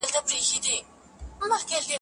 رنګ